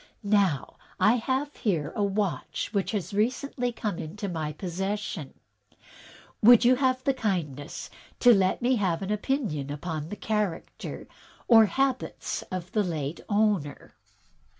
Now, I have here a watch which has recently come into my possession. Il8 THE TECHNIQUE OF THE MYSTERY STORY Would you have the kindness to let me have an opinion upon the character or habits of the late owner?"